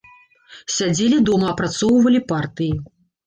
Сядзелі дома, апрацоўвалі партыі.